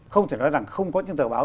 không thể nói rằng không có những tờ báo